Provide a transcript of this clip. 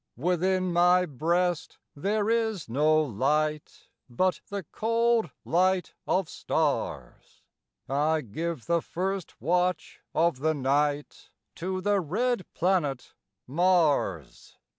Within my breast there is no light, But the cold light of stars; I give the first watch of the night To the red planet Mars.